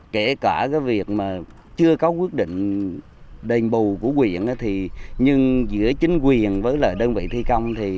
kể cả việc mà chưa có quyết định đền bù của quyền thì nhưng giữa chính quyền với đơn vị thi công